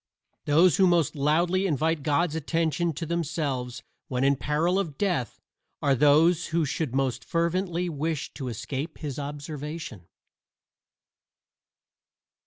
Those who most loudly invite God's attention to themselves when in peril of death are those who should most fervently wish to escape his observation.